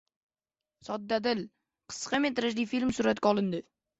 “Soddadil” qisqa metrajli filmi suratga olindi